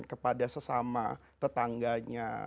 kepada sesama tetangganya